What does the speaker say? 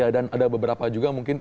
dan ada beberapa juga mungkin